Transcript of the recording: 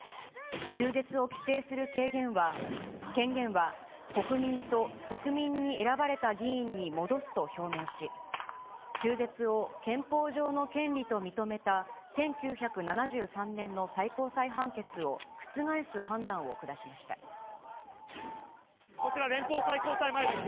中絶を規制する権限は、国民と国民に選ばれた議員に戻すと表明し、中絶を憲法上の権利と認めた１９７３年の最高裁判決を覆す判こちら、連邦最高裁前です。